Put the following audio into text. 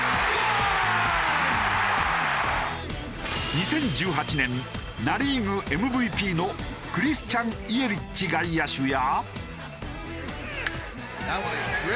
２０１８年ナ・リーグＭＶＰのクリスチャン・イエリッチ外野手や。